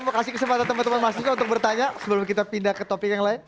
saya mau kasih kesempatan teman teman mas dika untuk bertanya sebelum kita pindah ke topik yang lain